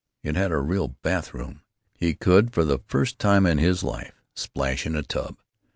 It had a real bath room! He could, for the first time in his life, splash in a tub.